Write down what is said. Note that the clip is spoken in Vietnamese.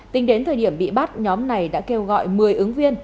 tính đến thời điểm bị bắt nhóm này đã kêu gọi một mươi ứng viên